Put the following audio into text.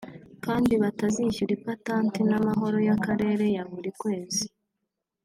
kandi batazishyura ipatanti n’amahoro y’akarere ya buri kwezi